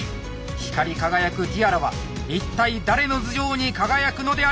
光り輝くティアラは一体誰の頭上に輝くのでありましょうか？